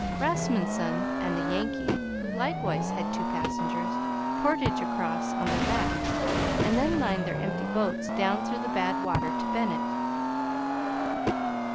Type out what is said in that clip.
Rasmunsen and the Yankee, who likewise had two passengers, portaged across on their backs and then lined their empty boats down through the bad water to Bennett.